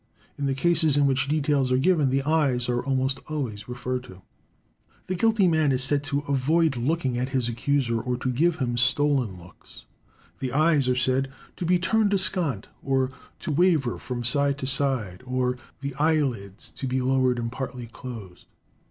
In the cases in which details are given, the eyes are almost always referred to. The guilty man is said to avoid looking at his accuser, or to give him stolen looks. The eyes are said "to be turned askant," or "to waver from side to side," or "the eyelids to be lowered and partly closed."